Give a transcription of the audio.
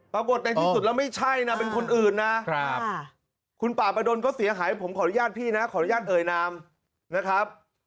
ปรากฏในที่สุดแล้วไม่ใช่นะเป็นคนอื่นนะคุณป่าประดนก็เสียหายผมขออนุญาตพี่นะขออนุญาตเอ่ยนามนะครับ